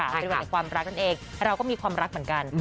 เป็นวันแห่งความรักนั่นเองเราก็มีความรักเหมือนกัน